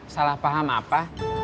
salah paham apa